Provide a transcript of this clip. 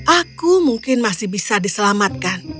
aku mungkin masih bisa diselamatkan